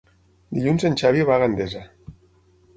Dilluns en Xavi va a Gandesa.